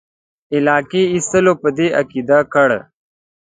علاقې اخیستلو په دې عقیده کړ.